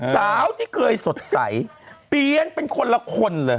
สาวที่เคยสดใสเปลี่ยนเป็นคนละคนเลย